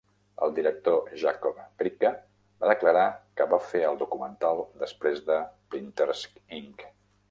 El director Jacob Bricca va declarar que va fer el documental després de "Printers Inc".